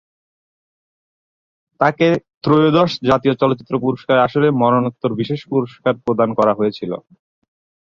তাকে ত্রয়োদশ জাতীয় চলচ্চিত্র পুরস্কারের আসরে মরণোত্তর বিশেষ পুরস্কার প্রদান করা হয়েছিল।